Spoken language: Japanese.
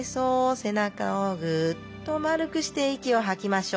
背中をグッと丸くして息を吐きましょう。